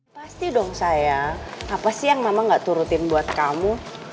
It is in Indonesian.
pasti dong saya apa sih yang mama gak turutin buat kamu